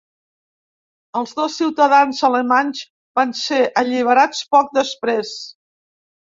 Els dos ciutadans alemanys van ser alliberats poc després.